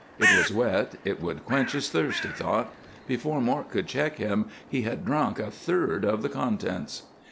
It was wet; it would quench his thirst, he thought. Before Mort could check him he had drunk a third of the contents.